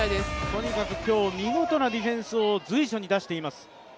とにかく今日、見事なディフェンスを随所に出しています。